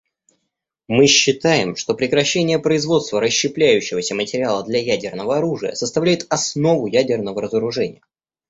Мы считаем, что прекращение производства расщепляющегося материала для ядерного оружия составляет основу ядерного разоружения.